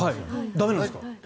駄目なんですか？